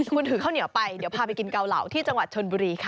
คุณถือข้าวเหนียวไปเดี๋ยวพาไปกินเกาเหล่าที่จังหวัดชนบุรีค่ะ